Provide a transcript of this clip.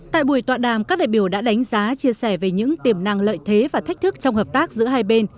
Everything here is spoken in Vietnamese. tại buổi tọa đàm các đại biểu đã đánh giá chia sẻ về những tiềm năng lợi thế và thách thức trong hợp tác giữa hai bên